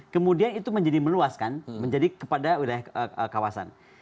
kemudian itu menjadi meluaskan menjadi kepada wilayah kawasan